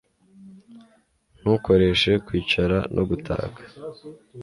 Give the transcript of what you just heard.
ntukoreshe kwicara no gutaka